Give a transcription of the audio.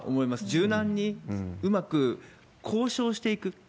柔軟にうまく交渉していく。